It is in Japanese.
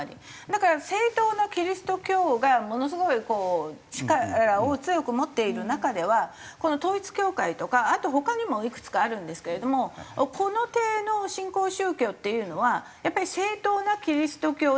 だから正統なキリスト教がものすごい力を強く持っている中ではこの統一教会とかあと他にもいくつかあるんですけれどもこの手の新興宗教っていうのはやっぱり正統なキリスト教ではないっていう